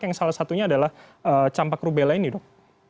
yang salah satunya adalah campak rubella ini dok